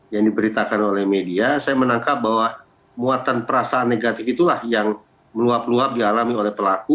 yang diberitakan oleh media saya menangkap bahwa muatan perasaan negatif itulah yang meluap luap dialami oleh pelaku